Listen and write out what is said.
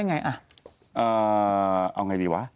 อ่าวไงดีวะ